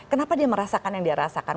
kenapa dia merasakan yang dia rasakan